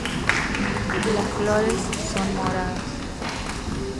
Las flores son moradas.